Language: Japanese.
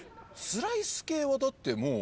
スライス系はだってもう。